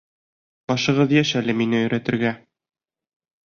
Башығыҙ йәш әле мине өйрәтергә!